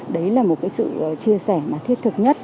đấy là một cái sự chia sẻ mà thiết thực nhất